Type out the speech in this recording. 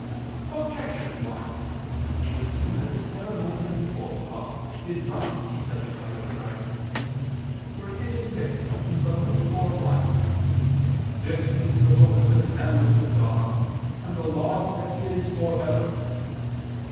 Objection 1: It would seem that the ceremonies of the Old Law did not cease at the coming of Christ. For it is written (Bar. 4:1): "This is the book of the commandments of God, and the law that is for ever."